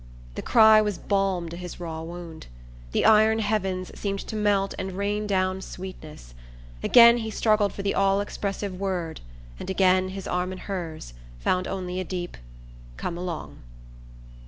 The cry was balm to his raw wound. The iron heavens seemed to melt and rain down sweetness. Again he struggled for the all expressive word, and again, his arm in hers, found only a deep "Come along."